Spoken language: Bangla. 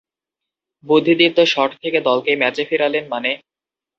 বুদ্ধিদীপ্ত শট থেকে দলকে ম্যাচে ফেরালেন মানে।